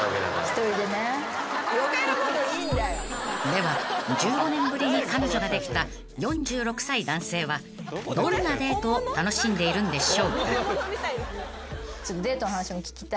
［では１５年ぶりに彼女ができた４６歳男性はどんなデートを楽しんでいるんでしょうか？］